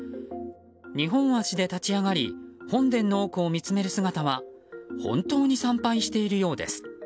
２本足で立ち上がり本殿の奥を見つめる姿は本当に参拝しているようです。